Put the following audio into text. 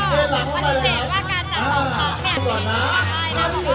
ขอบคุณนัทพา